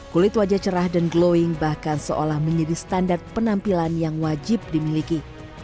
kulit wajah cerah dan glowing bahkan seolah menjadi standar penampilan yang wajib dimiliki